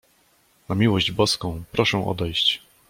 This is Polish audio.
"Na miłość Boską, proszę odejść!"